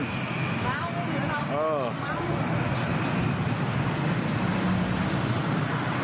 เมาคือเมา